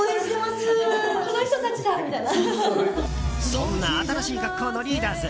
そんな新しい学校のリーダーズ